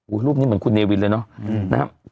อู้ยรูปนี้เหมือนคุณเนวิดเลยเนอะ